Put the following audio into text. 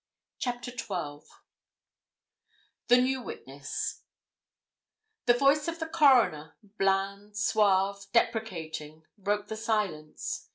CHAPTER TWELVE THE NEW WITNESS The voice of the Coroner, bland, suave, deprecating, broke the silence.